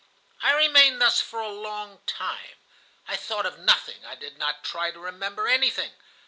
I remained thus for a long time. I thought of nothing, I did not try to remember anything.